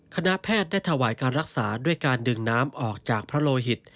คณะแพทย์ได้ถวายการรักษาด้วยการดึงน้ำออกจากพระโลหิต